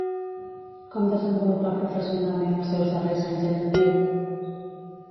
Com desenvolupà professionalment els seus darrers anys en actiu?